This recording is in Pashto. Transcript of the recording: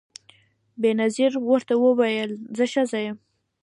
بېنظیر ورته وویل زه ښځه یم